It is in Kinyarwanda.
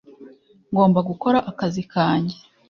ngomba gukora akazi kanjye